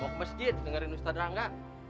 mau ke masjid dengarkan ustadz rangga